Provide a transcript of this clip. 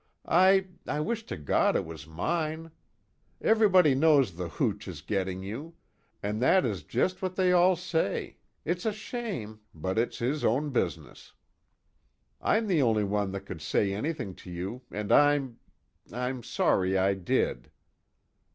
I I wish to God it was mine. Everybody knows the hooch is getting you and that is just what they all say it's a shame but it's his own business. I'm the only one that could say anything to you, and I'm I'm sorry I did."